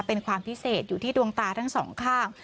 เป็นความพิเศษอยู่ที่ดวงตาทั้งสองข้าง